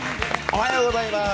おはようございます。